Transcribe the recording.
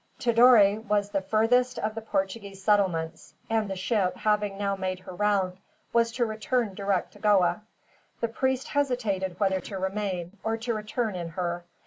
Tidore was the furthest of the Portuguese settlements, and the ship, having now made her round, was to return direct to Goa. The priest hesitated whether to remain, or to return in her.